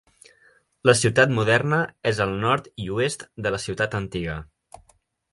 La ciutat moderna és al nord i oest de la ciutat antiga.